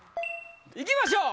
いきましょう。